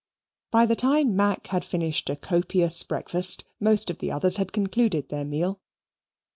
By the time Mac had finished a copious breakfast, most of the others had concluded their meal.